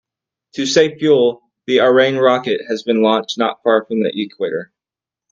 To save fuel, the Ariane rocket has been launched not far from the equator.